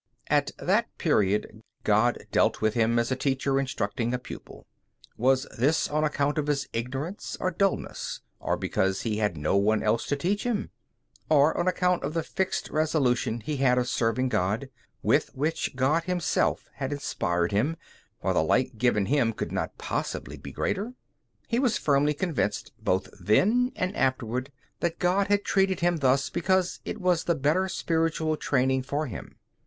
At that period God dealt with him as a teacher instructing a pupil. Was this on account of his ignorance or dulness, or because he had no one else to teach him? Or on account of the fixed resolve he had of serving God, with which God Himself had inspired him, for the light given him could not possibly be greater? He was firmly convinced, both then and afterward, that God had treated him thus because it was the better spiritual training for him.